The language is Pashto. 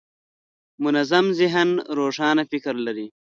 منظم ذهن روښانه فکر لري.